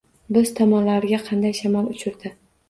Biz tomonlarga qanday shamol uchirdi